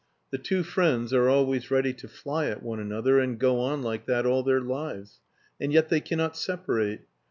The two friends are always ready to fly at one another, and go on like that all their lives, and yet they cannot separate.